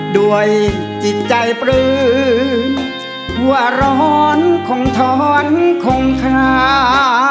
ด้วยจิตใจปลื้มหัวร้อนคงท้อนคงค้า